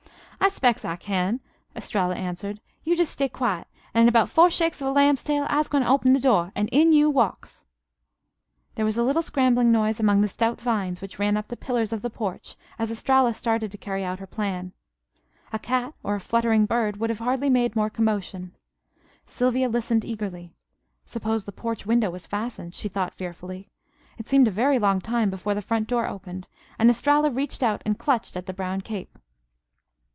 "I 'spec's I can," Estralla answered. "You jes' stay quiet, an' in 'bout four shakes of a lamb's tail I'se gwine to open de door, an' in yo' walks." There was a little scrambling noise among the stout vines which ran up the pillars of the porch as Estralla started to carry out her plan. A cat, or a fluttering bird, would have hardly made more commotion. Sylvia listened eagerly. Suppose the porch window was fastened? she thought fearfully. It seemed a very long time before the front door opened, and Estralla reached out and clutched at the brown cape.